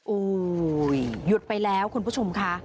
โอ้โหหยุดไปแล้วคุณผู้ชมค่ะ